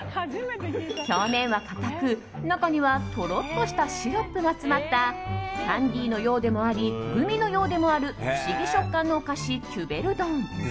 表面は固く、中にはとろっとしたシロップが詰まったキャンディーのようでもありグミのようでもある不思議食感のお菓子キュベルドン。